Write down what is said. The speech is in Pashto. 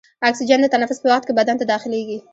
اکسیجن د تنفس په وخت کې بدن ته داخلیږي.